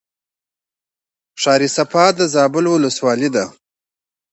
ښار صفا د زابل ولسوالۍ ده